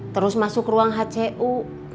terus masuk ruang hcu